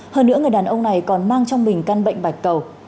hơn nữa người đàn ông này còn mang trong mình căn bệnh bạch cầu